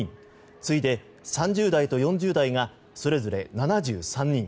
次いで、３０代と４０代がそれぞれ７３人。